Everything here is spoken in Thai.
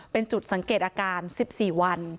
เป็นจุดสังเกตอาการ๑๔วัน